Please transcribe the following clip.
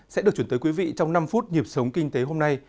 sẽ được chuyển tới quý vị trong năm phút nhịp sống kinh tế hôm nay